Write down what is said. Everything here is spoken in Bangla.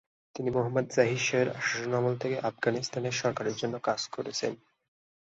তিনি মোহাম্মদ জহির শাহের শাসনামল থেকে আফগানিস্তানের সরকারের জন্য কাজ করেছেন।